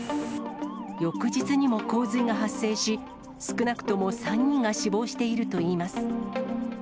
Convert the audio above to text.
翌日にも洪水が発生し、少なくとも３人が死亡しているといいます。